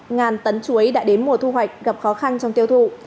ngàn tấn chuối đã đến mùa thu hoạch gặp khó khăn trong tiêu thụ